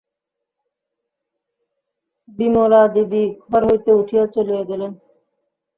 বিমলাদিদি ঘর হইতে উঠিয়া চলিয়া গেলেন।